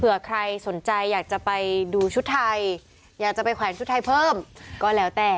ใครสนใจอยากจะไปดูชุดไทยอยากจะไปแขวนชุดไทยเพิ่มก็แล้วแต่